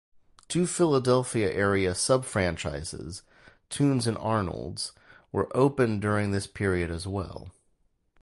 Two Philadelphia area subfranchises, Tunes and Arnold's, were opened during this period as well.